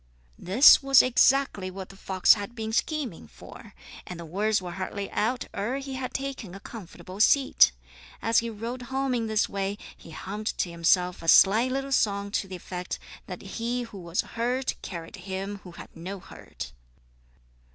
This was exactly what the fox had been scheming for, and the words were hardly out ere he had taken a comfortable seat. As he rode home in this way he hummed to himself a sly little song to the effect that he who was hurt carried him who had no hurt.